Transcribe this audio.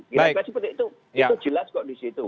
kita harus seperti itu itu jelas kok disitu